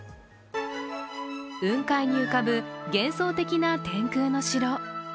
雲海に浮かぶ幻想的な天空の城。